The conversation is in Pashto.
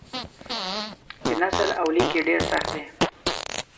چې نثر او لیک یې ډېر سخت دی.